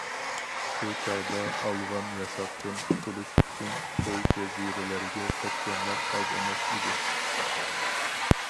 شۇ چاغدا ئالۋان ياساقتىن قۇتۇلۇش ئۈچۈن چۆل- جەزىرىلەرگە كەتكەنلەر ئاز ئەمەس ئىدى.